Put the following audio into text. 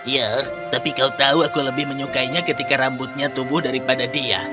ya tapi kau tahu aku lebih menyukainya ketika rambutnya tumbuh daripada dia